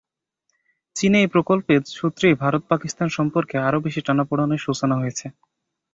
চীনের এই প্রকল্পের সূত্রেই ভারত পাকিস্তান সম্পর্কে আরও বেশি টানাপোড়েনের সূচনা হয়েছে।